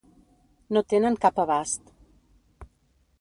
No tenen cap abast.